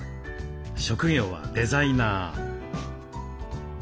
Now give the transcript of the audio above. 職業はデザイナー。